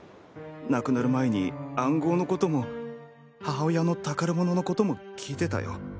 亡くなる前に暗号の事も母親の宝物の事も聞いてたよ。